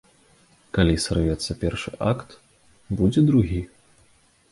Калі сарвецца першы акт, будзе другі.